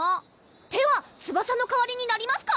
手は翼の代わりになりますか？